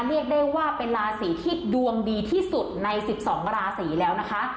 เรียกได้ว่าเป็นราศีที่ดวงดีที่สุดใน๑๒ราศีแล้วนะคะ